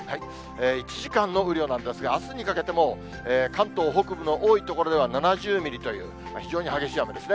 １時間の雨量なんですが、あすにかけても、関東北部の多い所では７０ミリという、非常に激しい雨ですね。